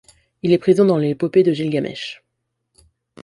Il est présent dans l’épopée de Gilgamesh.